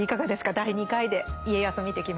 第２回で家康を見てきましたけど。